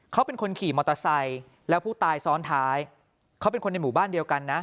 เขาเป็นคนขี่มอเตอร์ไซค์แล้วผู้ตายซ้อนท้ายเขาเป็นคนในหมู่บ้านเดียวกันนะ